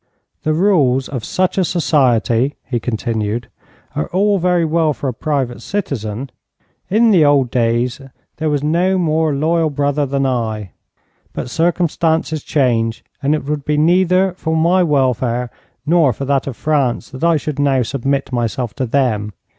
'The rules of such a society,' he continued, 'are all very well for a private citizen. In the old days there was no more loyal brother than I. But circumstances change, and it would be neither for my welfare nor for that of France that I should now submit myself to them.